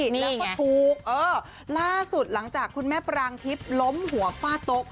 แล้วก็ถูกล่าสุดหลังจากคุณแม่ปรางทิพย์ล้มหัวฟาดโต๊ะ